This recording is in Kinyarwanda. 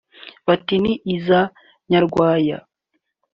Bati “ Ni iza Nyarwaya”